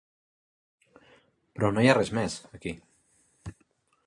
Però no hi ha res més, aquí.